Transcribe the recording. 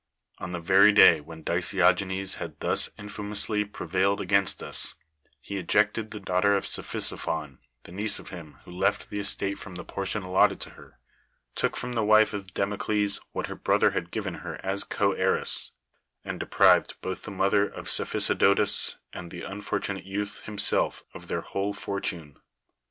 On the very day when Dica'ogenes had thus 10:5 THE WORLD'S FAMOUS ORATIONS infamously prevailed against us, he ejected the daughter of Cephisophon, the niece of him who left the estate from the portion allotted to her; took from the wife of Democles what her brother had gi^en her as coheiress: and deprived both the mother of Cephisodotus and the unfortunate youth himself of their whole fortune.